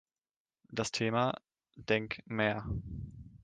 Das Thema, Denk mehr.